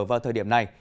vào thời điểm này